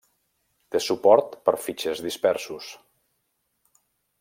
Té suport per fitxers dispersos.